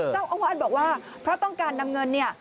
เจ้าอาวาสบอกว่าเพราะต้องการนำเงินเนี่ย